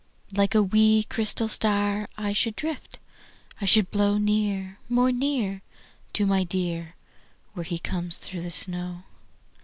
Like a wee, crystal star I should drift, I should blow Near, more near, To my dear Where he comes through the snow.